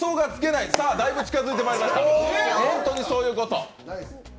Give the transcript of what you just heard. だいぶ近づいてまいりました、ホントにそういうこと。